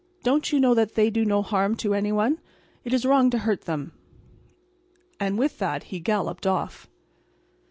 Don't you know that they do no harm to any one, and it is wrong to hurt them?" And with that he galloped off.